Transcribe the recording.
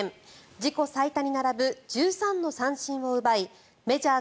自己最多に並ぶ１３の三振を奪いメジャー